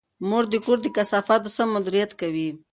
مور د کور د کثافاتو سم مدیریت کوي.